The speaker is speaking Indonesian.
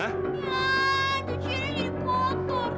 ah cuciannya jadi kotor deh